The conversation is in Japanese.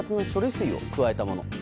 水を加えたもの。